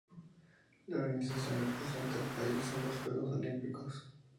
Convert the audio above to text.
La organización representa el país en los Juegos Olímpicos.